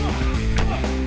hati hati ah